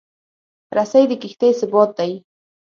رسۍ د کښتۍ ثبات دی.